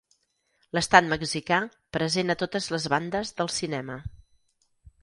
L'estat mexicà present a totes les bandes del cinema.